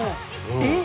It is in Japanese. えっ？